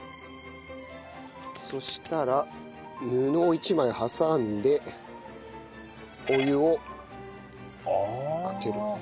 そしたら布を１枚挟んでお湯をかける。